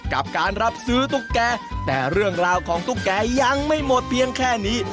กับการรับซื้อตุ๊กแก่แต่เรื่องราวของตุ๊กแกยังไม่หมดเพียงแค่นี้